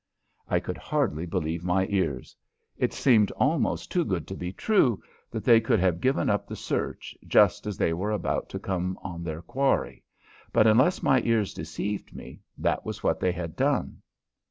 I could hardly believe my ears. It seemed almost too good to be true that they could have given up the search just as they were about to come on their quarry, but unless my ears deceived me that was what they had done.